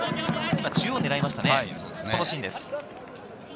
今、中央を狙いましたね、このシーンです。